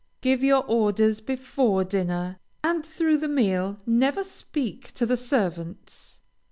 Give your orders before dinner, and through the meal never speak to the servants.